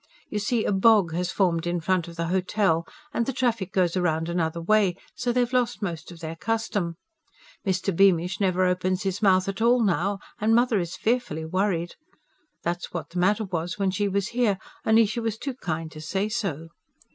You see, a bog has formed in front of the Hotel, and the traffic goes round another way, so they've lost most of their custom. Mr. Beamish never opens his mouth at all now, and mother is fearfully worried. That's what was the matter when she was here only she was too kind to say so."